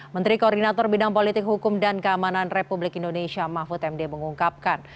menteri koordinator bidang politik hukum dan keamanan republik indonesia mahfud md mengungkapkan